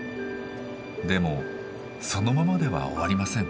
でもそのままでは終わりません。